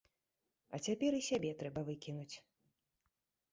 А цяпер і сябе трэба выкінуць!